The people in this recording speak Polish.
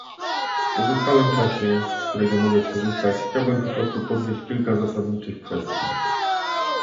W pozostałym czasie, z którego mogę skorzystać, chciałbym po prostu podnieść kilka zasadniczych kwestii